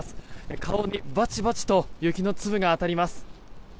顔にバチバチと雪の粒が当たります。